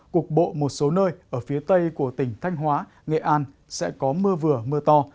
cục bộ một số nơi ở phía tây của tỉnh thanh hóa nghệ an sẽ có mưa vừa mưa to